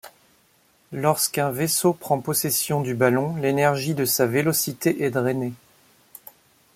Lorsqu'un vaisseau prend possession du ballon, l'énergie de sa vélocité est drainée.